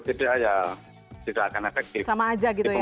tidak ya tidak akan efektif sama aja gitu ya